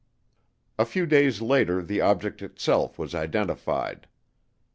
A few days later the object itself was identified.